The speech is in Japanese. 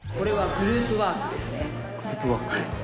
グループワーク？